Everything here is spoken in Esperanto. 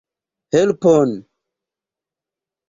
Helpon!